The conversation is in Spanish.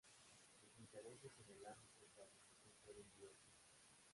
Sus intereses en el ámbito estadístico fueron diversos.